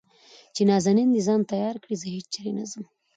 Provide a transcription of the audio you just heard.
چې نازنين د ځان تيار کړي زه هېچېرې نه ځم .